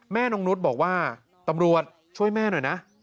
น้องนุษย์บอกว่าตำรวจช่วยแม่หน่อยนะ